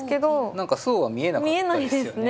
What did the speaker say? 何かそうは見えなかったですよね。